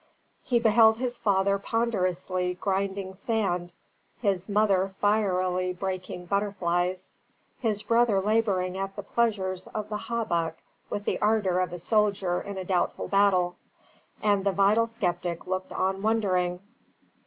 He beheld his father ponderously grinding sand, his mother fierily breaking butterflies, his brother labouring at the pleasures of the Hawbuck with the ardour of a soldier in a doubtful battle; and the vital sceptic looked on wondering.